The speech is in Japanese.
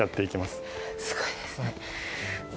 すごいですね。